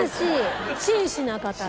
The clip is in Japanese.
紳士な方で。